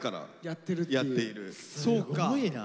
すごいな。